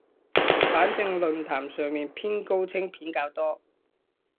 反正論壇上面偏高清片較多